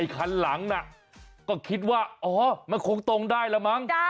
คันหลังน่ะก็คิดว่าอ๋อมันคงตรงได้แล้วมั้ง